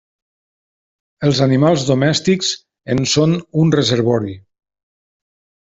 Els animals domèstics en són un reservori.